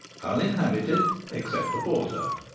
"Uninhabited, except the porter."